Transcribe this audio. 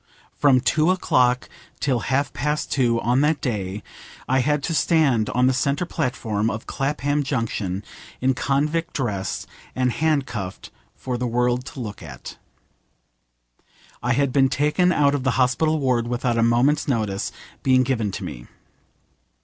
From two o'clock till half past two on that day I had to stand on the centre platform of Clapham Junction in convict dress, and handcuffed, for the world to look at. I had been taken out of the hospital ward without a moment's notice being given to me.